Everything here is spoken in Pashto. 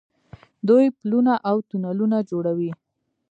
دوی پلونه او تونلونه جوړوي.